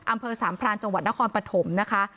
อำเภอสามพรานจังหวัดนครปฐมนะคะ